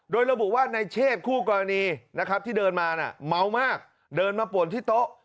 โดยระบุว่าในเชศคู่กรณีนะครับที่เดินมาเมามากเดินมาป่วนที่โต๊ะ